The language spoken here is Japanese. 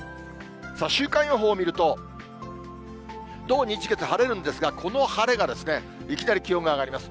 週間予報を見ると、土、日、月、晴れるんですが、この晴れがですね、いきなり気温が上がります。